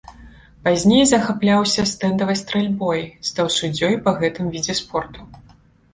Пазней захапляўся стэндавай стральбой, стаў суддзёй па гэтым відзе спорту.